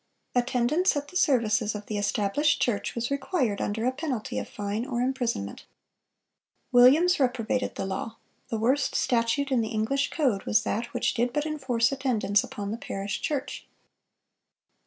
(441) Attendance at the services of the established church was required under a penalty of fine or imprisonment. "Williams reprobated the law; the worst statute in the English code was that which did but enforce attendance upon the parish church.